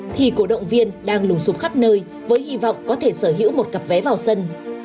thì cổ động viên đang lùng sụp khắp nơi với hy vọng có thể sở hữu một cặp vé vào sân